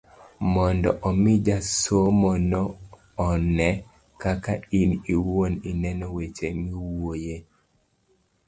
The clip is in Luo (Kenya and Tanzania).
mondo omi jasomono one kaka in iwuon ineno weche miwuoyoe.